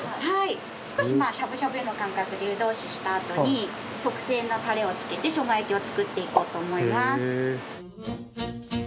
はい少ししゃぶしゃぶでの感覚で湯通ししたあとに特製のタレをつけて生姜焼きを作っていこうと思います。